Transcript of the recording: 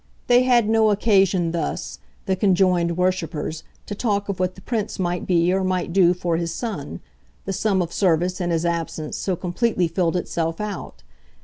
They had no occasion thus, the conjoined worshippers, to talk of what the Prince might be or might do for his son the sum of service, in his absence, so completely filled itself out.